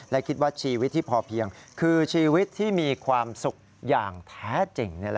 และคิดว่าชีวิตที่พอเพียงคือชีวิตที่มีความสุขอย่างแท้จริง